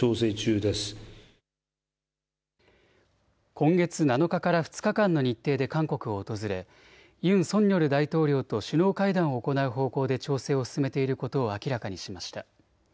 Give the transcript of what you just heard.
今月７日から２日間の日程で韓国を訪れユン・ソンニョル大統領と首脳会談を行う方向で調整を進めていることを明らかにしました。